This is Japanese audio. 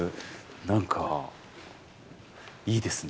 なんか、いいですね。